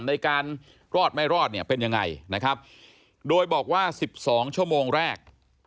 ในการรอดไม่รอดเป็นยังไงโดยบอกว่า๑๒ชั่วโมงแรก